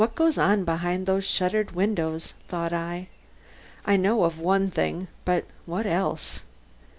"What goes on behind those shuttered windows?" thought I. "I know of one thing, but what else?"